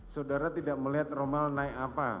saudara tidak melihat romal naik apa